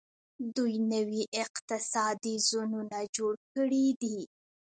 دوی نوي اقتصادي زونونه جوړ کړي دي.